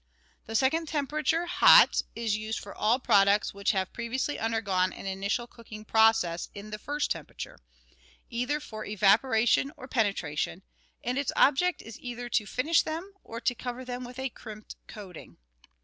The second temperature, " hot," is used for all products wihich have previously undergone an initial cooking process in the first temperature, either for evaporation or penetration, and its object is either to finish them or to cover them with a crimped coating.